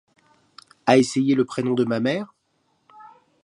as essayé le prénom de ma mère ?